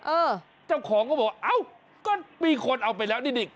เออเจ้าของก็บอกเอ้าก็มีคนเอาไปแล้วนี่นี่